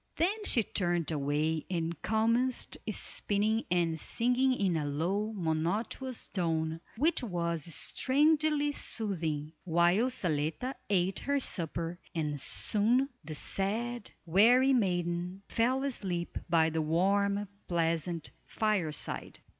Then she turned away and commenced spinning and singing in a low, monotonous tone, which was strangely soothing, while Zaletta ate her supper, and soon the sad, weary maiden fell asleep by the warm, pleasant fireside.